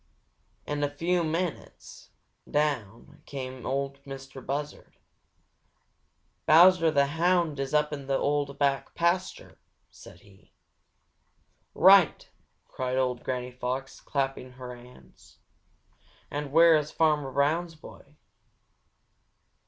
In a few minutes down came Ol' Mistah Buzzard. "Bowser the Hound is up in the old back pasture," said he. "Right!" cried old Granny Fox, clapping her hands. "And where is Farmer Brown's boy?"